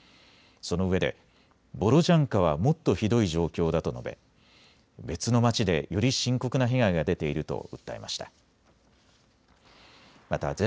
そのうえでボールボロジャンカはもっとひどい状況だと述べ別の町でより深刻な被害が出ていると訴えました。